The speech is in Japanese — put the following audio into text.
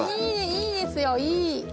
いいですよいい。